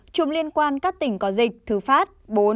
bảy chùm liên quan các tỉnh có dịch thứ pháp bốn